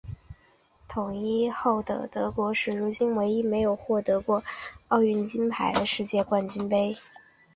统一后的德国是如今唯一没有获得过奥运会金牌的世界杯冠军。